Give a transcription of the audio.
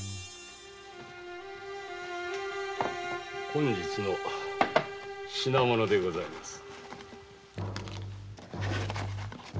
本日の品物でございます。